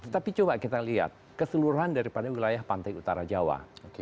tapi coba kita lihat keseluruhan daripada wilayah pantai utara jawa